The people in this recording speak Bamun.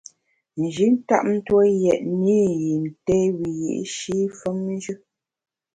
Nji tap tue yètne i yin té wiyi’shi femnjù.